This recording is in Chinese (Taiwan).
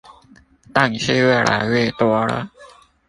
但是越來越多了